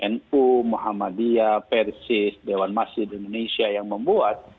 nu muhammadiyah persis dewan masjid indonesia yang membuat